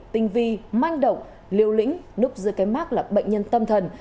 tinh vi manh động liều lĩnh núp dưới cái mát là bệnh nhân tâm thần